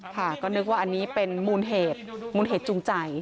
ค่ะก็นึกว่าอันนี้เป็นมูลเหตุมูลเหตุจูงใจ